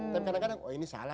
dan kadang kadang oh ini salah nih